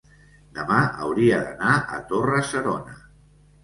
demà hauria d'anar a Torre-serona.